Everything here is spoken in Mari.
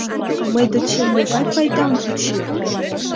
Мый дечем могай пайдам вучет?